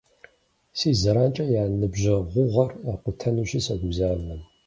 Си зэранкӏэ я ныбжьэгъугъэр къутэнущи согузавэ.